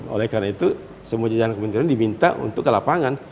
oleh karena itu semua jajaran kementerian diminta untuk ke lapangan